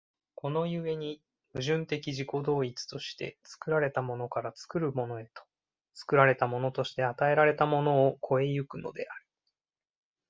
この故に矛盾的自己同一として、作られたものから作るものへと、作られたものとして与えられたものを越え行くのである。